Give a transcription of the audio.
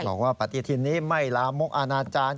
บอกว่าปฏิทินนี้ไม่ลามกอนาจารย์